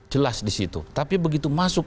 jelas disitu tapi begitu masuk